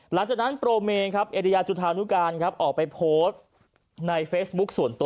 หลังจากนั้นโปรเมครับเอริยาจุธานุการครับออกไปโพสต์ในเฟซบุ๊คส่วนตัว